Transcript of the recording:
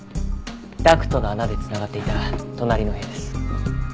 ダクトの穴で繋がっていた隣の部屋です。